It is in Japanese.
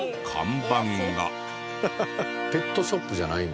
ペットショップじゃないの？